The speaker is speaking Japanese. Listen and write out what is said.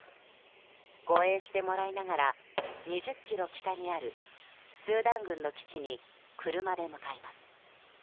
護衛をしてもらいながら２０ｋｍ北にあるスーダン軍の基地に車で向かいます。